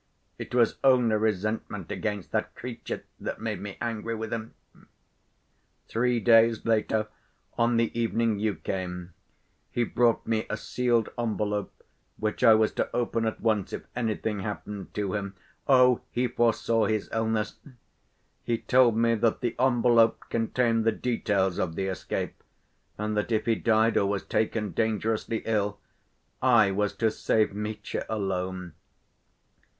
It was only resentment against that creature that made me angry with him. Three days later, on the evening you came, he brought me a sealed envelope, which I was to open at once, if anything happened to him. Oh, he foresaw his illness! He told me that the envelope contained the details of the escape, and that if he died or was taken dangerously ill, I was to save Mitya alone.